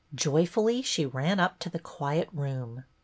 Joyfully she ran up to the quiet room.